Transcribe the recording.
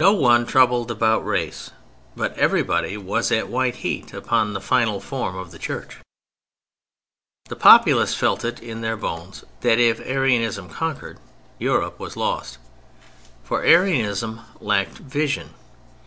No one troubled about race, but everybody was at white heat upon the final form of the Church. The populace felt it in their bones that if Arianism conquered, Europe was lost: for Arianism lacked vision.